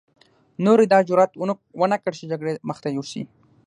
نورو يې دا جرعت ونه کړ چې جګړې مخته يوسي.